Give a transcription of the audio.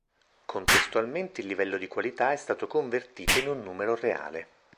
Contestualmente il livello di qualità è stato convertito in un numero reale.